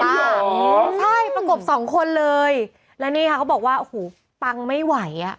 อ๋อเหรออืมใช่ประกบ๒คนเลยแล้วนี่ค่ะเขาบอกว่าโอ้โหปังไม่ไหว